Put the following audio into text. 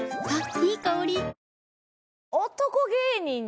いい香り。